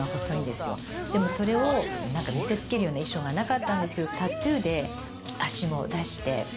でもそれを見せつけるような衣装がなかったんですけど『ＴＡＴＴＯＯ』で。